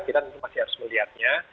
kita masih harus melihatnya